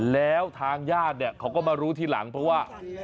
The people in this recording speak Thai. แล้วทางญาติเนี่ยเขาก็มารู้ทีหลังเพราะว่า